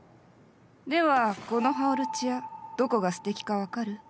ではこのハオルチアどこがすてきか分かる？